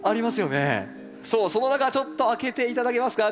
そうその中ちょっと開けて頂けますか？